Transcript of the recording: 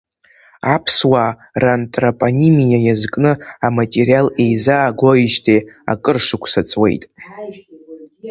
Аԥсуаа рантропонимиа иазкны аматериал еизаагоижьҭеи акыр шықәса ҵуеит.